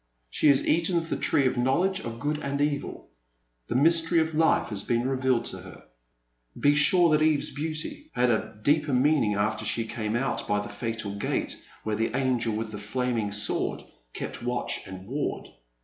She has eaten of the tree of knowledge of good and evil. The mystery of life has been re vealed to her. Be sure that Eve's beauty had a deeper meaning after she came out by the fatal gate where the angel with the flaming sword kept watch and ward.